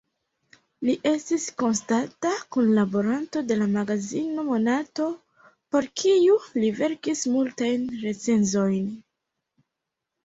Li estis konstanta kunlaboranto de la magazino "Monato", por kiu li verkis multajn recenzojn.